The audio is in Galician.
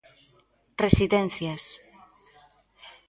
Residencias.